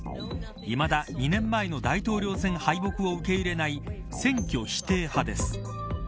いまだ２年前の大統領選敗北を受け入れない選挙否定派です。